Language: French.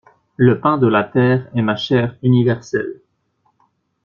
Le pain de la terre est ma chair universelle.